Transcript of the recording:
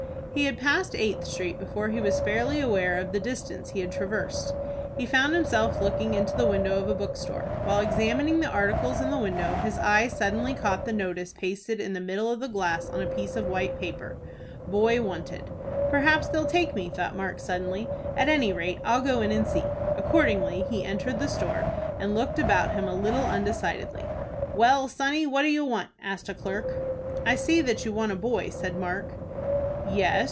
He had passed Eighth Street before he was fairly aware of the distance he had traversed. He found himself looking into the window of a bookstore. While examining the articles in the window his eye suddenly caught the notice pasted in the middle of the glass on a piece of white paper: "BOY WANTED." "Perhaps they'll take me," thought Mark, suddenly. "At any rate I'll go in and see." Accordingly he entered the store, and looked about him a little undecidedly. "Well, sonny, what do you want?" asked a clerk. "I see that you want a boy," said Mark. "Yes.